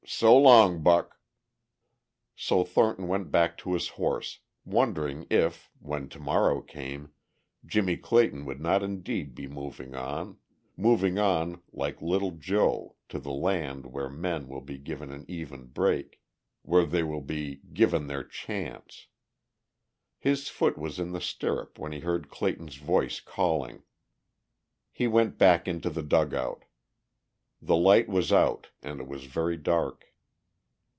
So long, Buck." So Thornton went back to his horse, wondering if, when tomorrow came, Jimmie Clayton would not indeed be moving on, moving on like little Jo to the land where men will be given an even break, where they will be "given their chance." His foot was in the stirrup when he heard Clayton's voice calling. He went back into the dugout. The light was out and it was very dark.